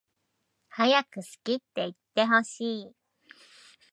はやく好きっていってほしい